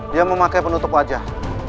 dia memakai penutup wajah